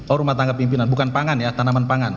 oh rumah tangga pimpinan bukan pangan ya tanaman pangan